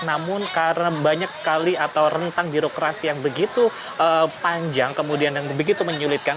namun karena banyak sekali atau rentang birokrasi yang begitu panjang kemudian yang begitu menyulitkan